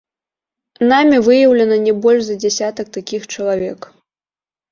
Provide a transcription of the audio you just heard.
Намі выяўлена не больш за дзясятак такіх чалавек.